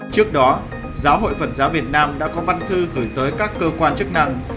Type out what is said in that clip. trước đó giáo hội phật giáo việt nam đã có văn thư gửi tới các cơ quan chức năng